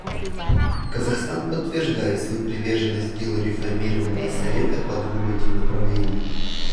Казахстан подтверждает свою приверженность делу реформирования Совета по двум этим направлениям.